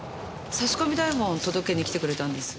差し込み台本を届けに来てくれたんです。